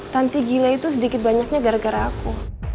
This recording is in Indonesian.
tanti gila itu sedikit banyaknya gara gara aku